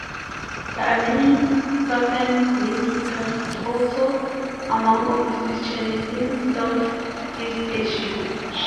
There are many Southern Min speakers also among Overseas Chinese in Southeast Asia.